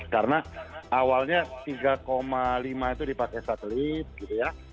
karena awalnya tiga lima itu dipakai satelit gitu ya